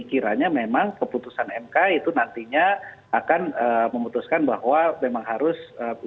kiranya memang keputusan mk itu nantinya akan memutuskan bahwa memang harus